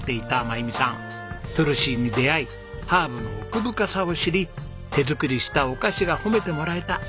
トゥルシーに出会いハーブの奥深さを知り手作りしたお菓子が褒めてもらえた。